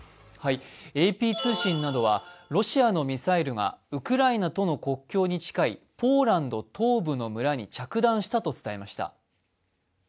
ＡＰ通信などはロシアのミサイルがウクライナとの国境に近いポーランド東部の村に着弾したと伝えました。